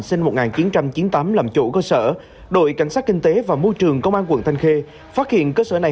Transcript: sinh năm một nghìn chín trăm chín mươi tám làm chủ cơ sở đội cảnh sát kinh tế và môi trường công an quận thanh khê phát hiện cơ sở này